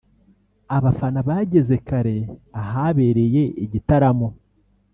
Abafana bageze kare ahabereye igitaramo